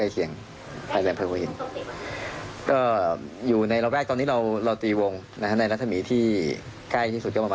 ที่ที่ที่เราใกล้เคียงนะครับ